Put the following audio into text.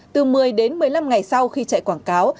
từ một mươi đến một mươi năm ngày sau khi chạy quảng cáo